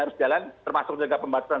harus jalan termasuk menjaga pembatasan